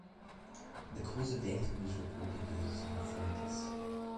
The cause of death was reported as nephritis.